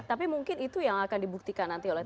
tapi mungkin itu yang akan dibuktikan nanti oleh